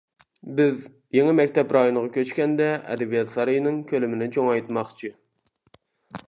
بىز يېڭى مەكتەپ رايونىغا كۆچكەندە ئەدەبىيات سارىيىنىڭ كۆلىمىنى چوڭايتماقچى.